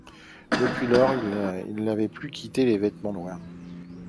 Depuis lors, il n’avait plus quitté les vêtements noirs.